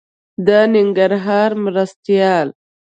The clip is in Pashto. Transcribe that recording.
د ننګرهار مرستيال